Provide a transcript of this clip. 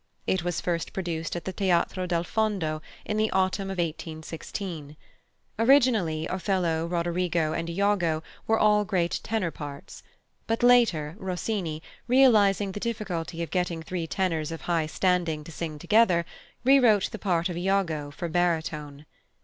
It was first produced at the Teatro del Fondo in the autumn of 1816. Originally Othello, Roderigo, and Iago were all great tenor parts; but later, Rossini, realising the difficulty of getting three tenors of high standing to sing together, rewrote the part of Iago for baritone.